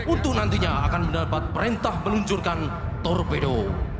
untuk nantinya akan mendapat perintah meluncurkan torpedo